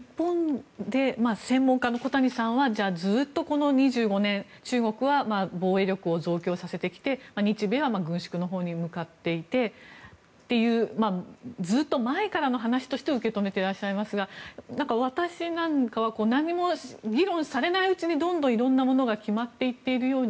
専門家の小谷さんはずっとこの２５年中国は防衛力を増強させてきて日米は軍縮に向かっていてというずっと前からの話として受け止めていらっしゃいますが私なんかは何も議論されないうちにどんどんいろんなものが決まっていっているように